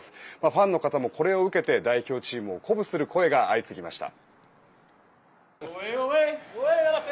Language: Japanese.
ファンの方もこれを受けて代表チームを鼓舞する声が相次ぎました。